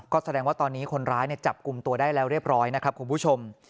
ก็แสดงว่าตอนนี้คนร้ายจับกลุ่มตัวได้แล้วเรียบร้อยนะครับคุณผู้ชม